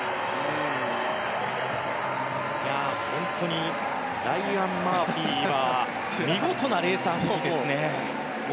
本当にライアン・マーフィーが見事なレース運びですね。